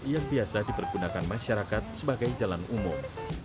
yang biasa dipergunakan masyarakat sebagai jalan umum